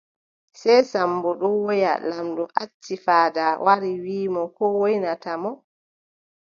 Sey Sammbo ɗon woya, laamɗo acci faada wari, wiʼi mo ko woynata mo.